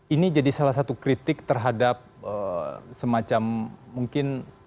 ini jadi salah satu kritik terhadap semacam mungkin